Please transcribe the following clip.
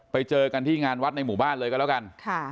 ไปเจอกันที่งานวัดในหมู่บ้านเลยก็แล้วกัน